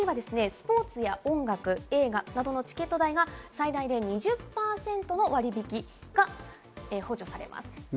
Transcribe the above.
スポーツや音楽、映画などのチケット代が最大で２０％の割引が補助されます。